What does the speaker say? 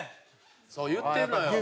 「そういってるのよ」